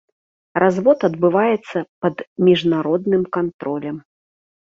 Развод адбываецца пад міжнародным кантролем.